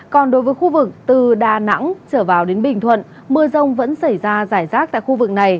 còn đối với khu vực từ đà nẵng trở vào đến bình thuận mưa rông vẫn xảy ra giải rác tại khu vực này